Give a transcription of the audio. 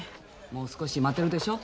もう少し待てるでしょう。